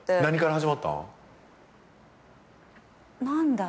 何から始まったん？